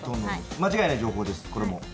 間違いない情報です。